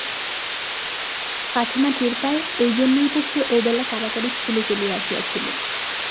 পাছে মা টের পায় এই জন্যই তো সে ওবেলা তাড়াতাড়ি স্কুলে চলিয়া আসিয়াছিল!